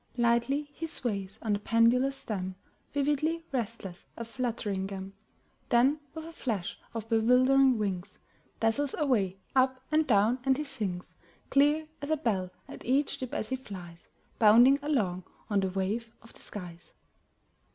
... Lightly he sways on the pendulous stem, Vividly restless, a fluttering gem, Then with a flash of bewildering wings Dazzles away up and down, and he sings Clear as a bell at each dip as he flies Bounding along on the wave of the skies.